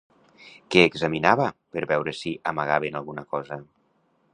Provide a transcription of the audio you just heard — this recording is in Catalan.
Què examinava per veure si amagaven alguna cosa?